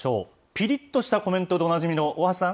ぴりっとしたコメントでおなじみの大橋さん。